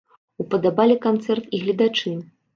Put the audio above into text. Упадабалі канцэрт і гледачы.